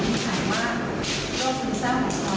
เพราะว่าเราจะพูดอะไรต่ำปากไปบ้างนะครับ